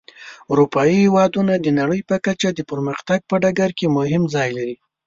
اروپایي هېوادونه د نړۍ په کچه د پرمختګ په ډګر کې مهم ځای لري.